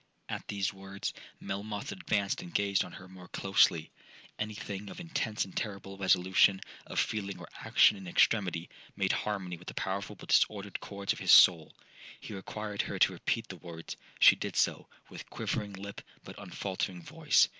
'At these words, Melmoth advanced and gazed on her more closely. Any thing of intense and terrible resolution,—of feeling or action in extremity,—made harmony with the powerful but disordered chords of his soul. He required her to repeat the words—she did so, with quivering lip, but unfaultering voice.